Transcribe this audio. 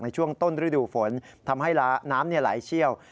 ช่วงต้นฤดูฝนทำให้น้ำไหลเชี่ยว